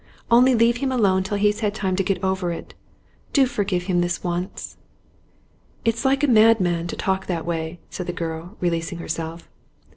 Only leave him alone till he's had time to get over it. Do forgive him this once.' 'It's like a madman to talk in that way,' said the girl, releasing herself.